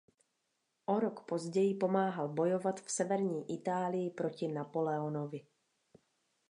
O rok později pomáhal bojovat v severní Itálii proti Napoleonovi.